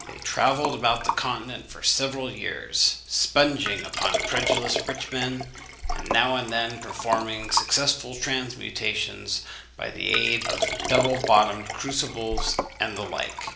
They travelled about the Continent for several years, sponging upon credulous rich men, and now and then performing successful transmutations by the aid of double bottomed crucibles and the like.